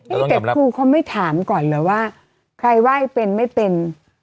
นี่แต่ครูเขาไม่ถามก่อนเหรอว่าใครไหว้เป็นไม่เป็น